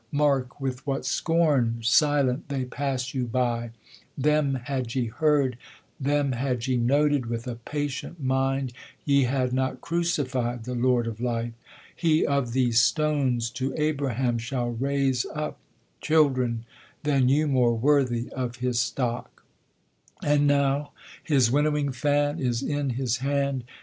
Mark with what scorn Silent they pass you by : them had ye heard, Them had ye noted with a patient mind, Ye had not crucified the Lord of Life : He of these stones to Abraham shall raise up Children, than you more worthy of his stock ; And now his winnowing fan is in his hand.